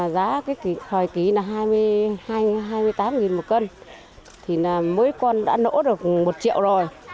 giá hồi ký là hai mươi tám đồng một cân mỗi con đã nỗ được một triệu rồi